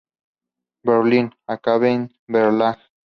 Berlín: Akademie Verlag.